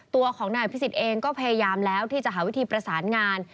ตัวของนายอภิษฎเองก็พยายามแล้วที่จะหาวิธีประสานงาน